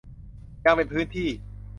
ยังเป็นพื้นที่